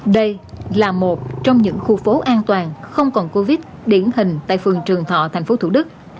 đây là một trong những khu phố an toàn không còn covid điển hình tại phường trường thọ thành phố thủ đức